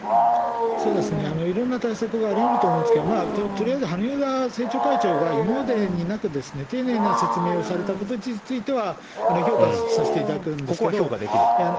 そうですね、いろんな対策がありうると思うんですけれども、とりあえず萩生田政調会長が、今までになくですね、丁寧な説明をされたことについては、評価させここは評価できると。